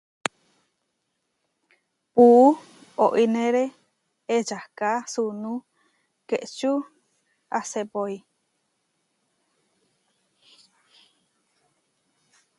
Puú oínere ečaká suunú kéʼčua sepói.